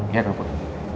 iya kan put